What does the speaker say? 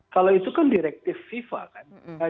kalau itu kan direktif fifa kan